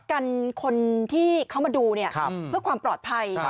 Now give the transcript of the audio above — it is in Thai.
กันคนที่เขามาดูเนี่ยเพื่อความปลอดภัย